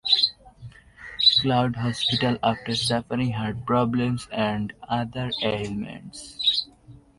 Cloud Hospital after suffering heart problems and other ailments.